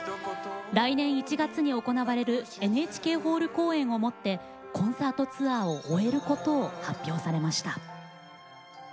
来年１月に行われるＮＨＫホール公演をもってコンサートツアーを終えることを発表されました。